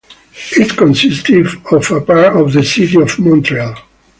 It consisted of a part of the city of Montreal.